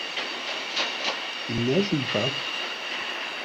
Il neige où pas ?